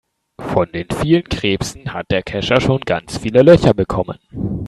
Von den vielen Krebsen hat der Kescher schon ganz viele Löcher bekommen.